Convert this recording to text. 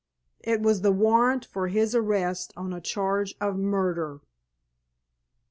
It was the warrant for his arrest on a charge of murder.